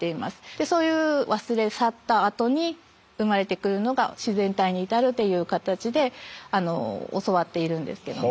でそういう忘れ去ったあとに生まれてくるのが自然体にいたるという形で教わっているんですけども。